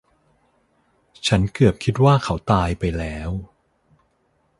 ฉันเกือบคิดว่าเขาตายไปแล้ว